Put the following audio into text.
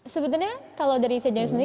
sebenarnya kalau dari segini sendiri